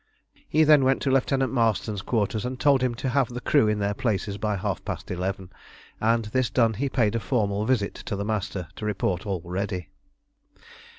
Then he went to Lieutenant Marston's quarters, and told him to have the crew in their places by half past eleven; and this done, he paid a formal visit to the Master to report all ready.